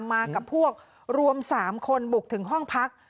มากับพวกรวม๓คนบุกถึงห้องพัก